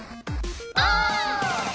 お！